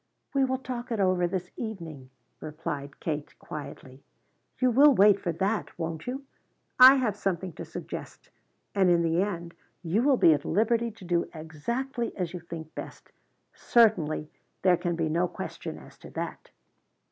"We will talk it over this evening," replied Kate quietly. "You will wait for that, won't you? I have something to suggest. And in the end you will be at liberty to do exactly as you think best. Certainly there can be no question as to that."